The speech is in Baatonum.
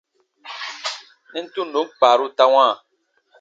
Nɛn tundo kpaaru ta wãa.